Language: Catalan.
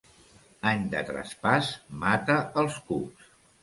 Any de traspàs mata els cucs.